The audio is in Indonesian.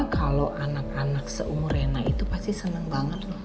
kalau anak anak seumur ena itu pasti senang banget loh